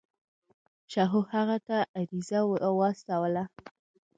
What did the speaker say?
شاهو هغه ته عریضه واستوله.